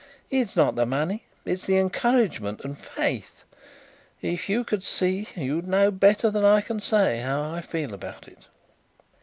It's not the money, it's the encouragement ... and faith. If you could see you'd know better than I can say how I feel about it."